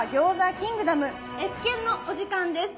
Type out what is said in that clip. キングダム謁見のお時間です。